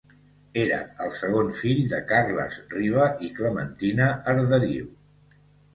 Era el segon fill de Carles Riba i Clementina Arderiu.